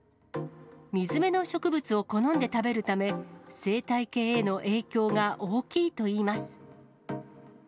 水辺の植物を好んで食べるため、生態系への影響が大きいといいます。